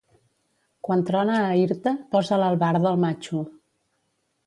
Quan trona a Irta, posa l'albarda al matxo.